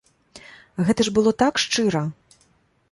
Гэта ж было так шчыра!